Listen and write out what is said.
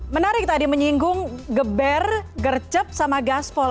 menarik tadi menyinggung geber gercep sama gaspol